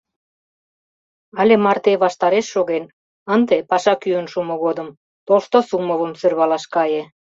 Але марте ваштареш шоген, ынде, паша кӱын шумо годым, Толстосумовым сӧрвалаш кае...